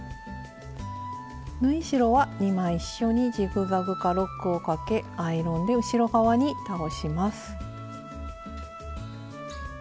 縫い代は２枚一緒にジグザグかロックをかけアイロンで後ろ側に倒します。